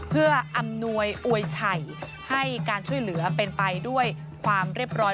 เพื่ออำนวยอวยไฉ่ให้การช่วยเหลือเป็นไปด้วยความเรียบร้อย